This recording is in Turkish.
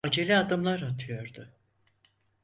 Acele adımlar atıyordu.